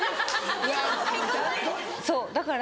そうだから。